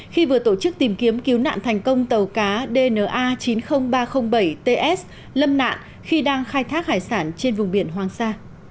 khi vừa tổ chức tìm kiếm cứu nạn thành công tàu cá dna chín mươi nghìn ba trăm linh bảy ts lâm nạn khi đang khai thác hải sản trên vùng biển hoàng sa